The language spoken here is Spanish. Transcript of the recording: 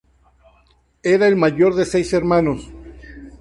Era el mayor de seis hermanos.